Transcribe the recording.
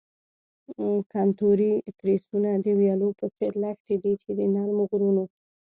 کنتوري تریسونه د ویالو په څیر لښتې دي چې د نرمو غرونو.